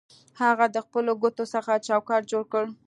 هغه د خپلو ګوتو څخه چوکاټ جوړ کړ